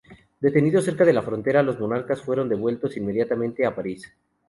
Detenidos cerca de la frontera, los monarcas fueron devueltos inmediatamente a París.